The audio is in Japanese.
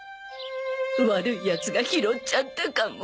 悪いヤツが拾っちゃったかも。